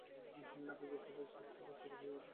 এটি যুক্তরাষ্ট্রের সবচেয়ে ব্যস্ততম বিমানবন্দর।